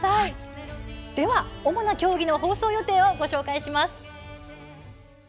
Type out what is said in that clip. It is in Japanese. では主な競技の放送予定をご紹介します。